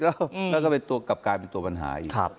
แล้วก็เป็นตัวกลับกลายเป็นตัวปัญหาอีก